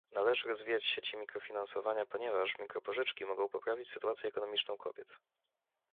Należy rozwijać sieci mikrofinansowania, ponieważ mikropożyczki mogą poprawić sytuację ekonomiczną kobiet